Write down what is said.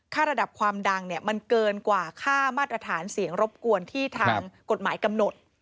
ระดับความดังมันเกินกว่าค่ามาตรฐานเสียงรบกวนที่ทางกฎหมายกำหนด